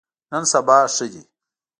نن سبا ښه دي.